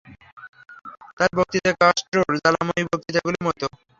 তার বক্তৃতা কাস্ট্রোর জ্বালাময়ী বক্তৃতাগুলোর মতো।